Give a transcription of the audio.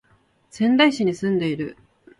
仙台市に住んでいる